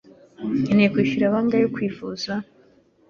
Nkeneye kwishyura bangahe kwivuza?